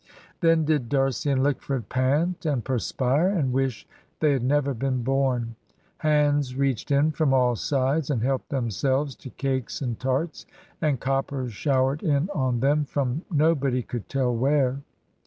Then did D'Arcy and Lickford pant and perspire, and wish they had never been born. Hands reached in from all sides, and helped themselves to cakes and tarts, and coppers showered in on them from nobody could tell where.